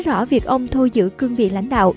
rõ việc ông thôi giữ cương vị lãnh đạo